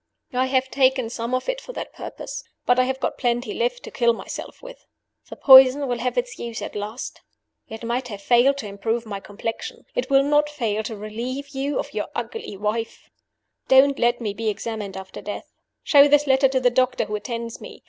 I have taken some of it for that purpose; but I have got plenty left to kill myself with. The poison will have its use at last. It might have failed to improve my complexion it will not fail to relieve you of your ugly wife. "Don't let me be examined after death. Show this letter to the doctor who attends me.